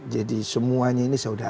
jadi semuanya ini saudara